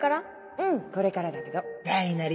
うんこれからだけど大なり